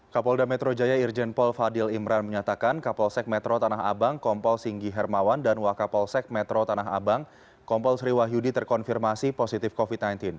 kapolda metro jaya irjen paul fadil imran menyatakan kapolsek metro tanah abang kompol singgi hermawan dan wakapolsek metro tanah abang kompol sri wahyudi terkonfirmasi positif covid sembilan belas